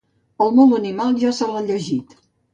El molt animal ja se l'ha llegit.